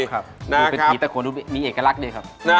คือเป็นผีตะโขนมีเอกลักษณ์ดีครับ